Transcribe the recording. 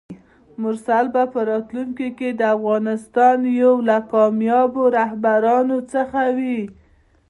مرسل به په راتلونکي کې د افغانستان یو له کاميابو رهبرانو څخه وي!